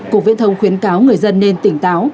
cục viễn thông khuyến cáo người dân nên tỉnh táo